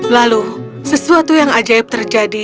lalu sesuatu yang ajaib terjadi